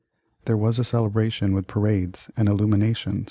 There was a celebration with parades and illuminations.